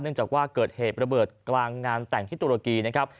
จากว่าเกิดเหตุระเบิดกลางงานแต่งที่ตุรกีนะครับ